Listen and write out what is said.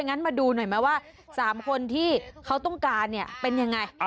งั้นมาดูหน่อยไหมว่า๓คนที่เขาต้องการเนี่ยเป็นยังไง